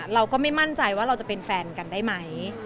เราก็ไม่มั่นใจว่าเราจะเป็นแฟนกันได้ไหม